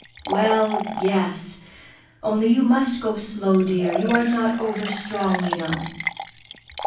"Well, yes! Only you must go slow, dear. You are not over strong, you know."